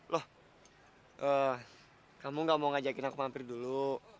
loh kamu gak mau ngajakin aku mampir dulu